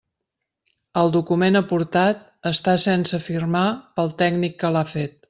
El document aportat està sense firmar pel tècnic que l'ha fet.